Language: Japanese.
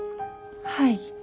はい。